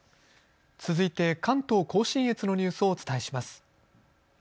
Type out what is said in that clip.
続いて関東甲信越のニュースをお伝えします。